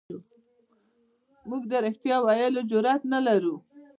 موږ د رښتیا ویلو جرئت نه لرو.